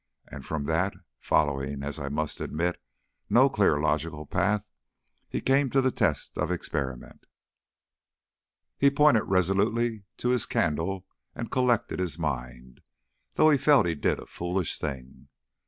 And from that, following, as I must admit, no clear logical path, he came to the test of experiment. He pointed resolutely to his candle and collected his mind, though he felt he did a foolish thing.